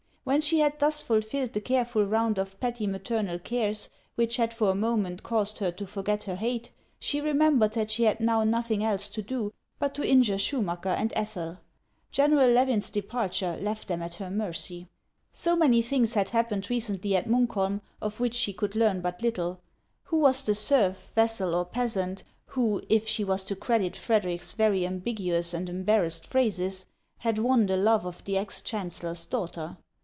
When she had thus fulfilled the careful round of petty maternal cares which had for n moment caused her to forget her hate, she remembered that she had now nothing else to do but to injure Schumacker and Ethel. General Levin's departure left them at her mercy. 368 HANS OF ICELAND. So many things had happened recently at Munkholm of which she could learn but little ! Who was the serf, vassal, or peasant, who, if she was to credit Frederic's very ambiguous and embarrassed phrases, had won the love of the ex chancellor's daughter